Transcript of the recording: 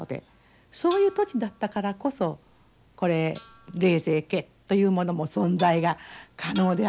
そういう土地だったからこそこれ冷泉家というものも存在が可能であったんだと思いますね。